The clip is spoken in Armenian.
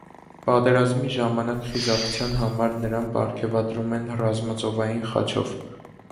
Պատերազմի ժամանակ խիզախության համար նրան պարգևատրում են ռազմածովային խաչով։